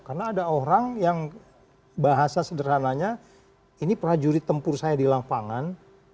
karena ada orang yang bahasa sederhananya ini prajurit tempur saya di lapangan